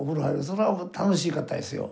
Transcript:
そりゃ楽しかったですよ。